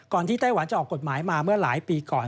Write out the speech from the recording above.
ที่ไต้หวันจะออกกฎหมายมาเมื่อหลายปีก่อน